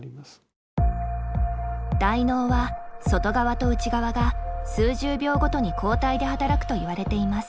大脳は外側と内側が数十秒ごとに交代で働くといわれています。